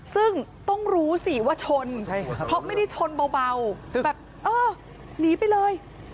ซึ่งต้องรู้สิว่าชนเพราะไม่ได้ชนเบาแบบเออหนีไปเลย